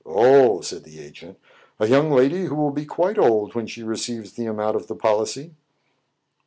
Oh !" said the agent, " a young lady who will be quite old when she receives the amount of the policy."